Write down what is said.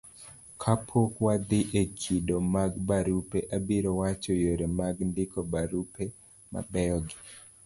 kapok wadhi e kido mag barupe, abiro wacho yore mag ndiko barupe mabeyo gi